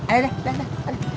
aduh udah udah